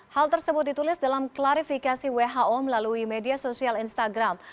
hal tersebut ditulis dalam klarifikasi who melalui media sosial instagram